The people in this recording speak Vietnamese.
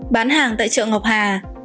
bán hàng tại chợ ngọc hà